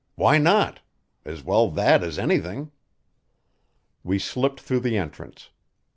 "Why not? As well that as anything." We slipped through the entrance.